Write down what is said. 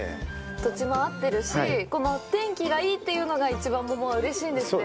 土地も合ってるし、この天気がいいっていうのが一番桃はうれしいんですね。